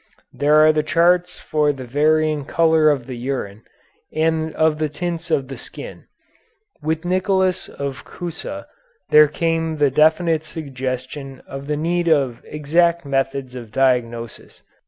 There are charts for the varying color of the urine, and of the tints of the skin. With Nicholas of Cusa there came the definite suggestion of the need of exact methods of diagnosis.